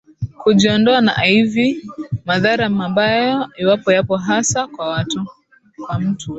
kujiondoa na iv madhara mabaya iwapo yapo hasa kwa mtu